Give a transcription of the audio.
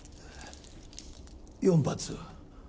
４発。